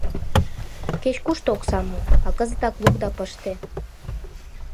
Кеч-кушто оксам му, а кызытак лук да пыште.